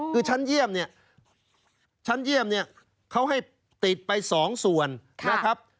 คือชั้นเยี่ยมเนี่ยเขาให้ติดไป๒ส่วนนะครับ